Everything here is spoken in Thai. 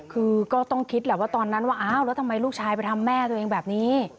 คือก็ต้องคิดแหละว่าตอนนั้นว่าอ้าวแล้วทำไมลูกชายไปทำแม่ตัวเองแบบนี้